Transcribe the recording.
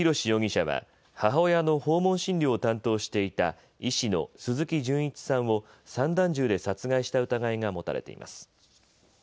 容疑者は母親の訪問診療を担当していた医師の鈴木純一さんを散弾銃で殺害した疑いが持たれています。